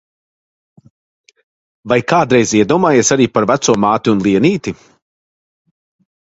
Vai kādreiz iedomājies arī par veco māti un Lienīti?